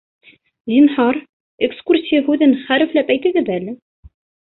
Зинһар, «экскурсия» һүҙен хәрефләп әйтегеҙ әле